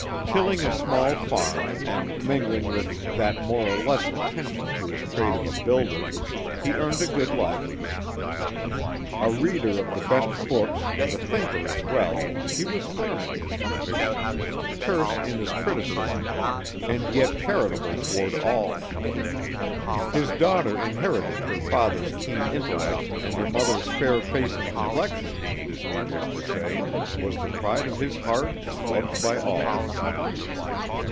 Tilling a small farm and mingling with that more or less attention to his trade of a builder, he earned a good livelihood. A reader of the best books and a thinker as well, he was firm in his convictions, terse in his criticism, and yet charitable toward all. His daughter inherited her father's keen intellect and her mother's fair face and complexion, it is needless to say, was the pride of his heart and loved by all.